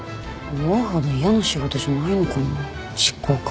思うほど嫌な仕事じゃないのかな執行官。